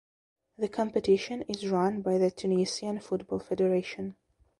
The competition is run by the Tunisian Football Federation.